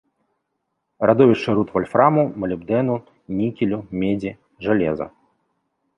Радовішчы руд вальфраму, малібдэну, нікелю, медзі, жалеза.